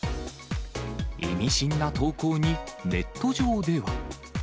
意味深な投稿に、ネット上では。